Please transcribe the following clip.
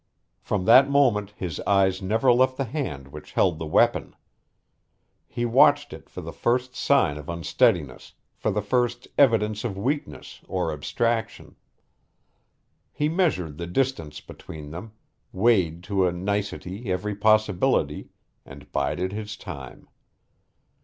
From that moment his eyes never left the hand which held the weapon. He watched it for the first sign of unsteadiness, for the first evidence of weakness or abstraction. He measured the distance between them, weighed to a nicety every possibility, and bided his time.